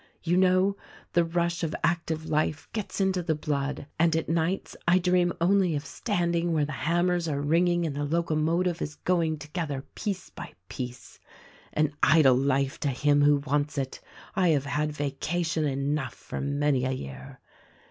You know, the rush of active life gets into the blood ; and at nights I dream only of standing where the hammers are ringing and the locomo tive is going together piece by piece. "An idle life to him who wants it! I have had vaca tion enough for many a year.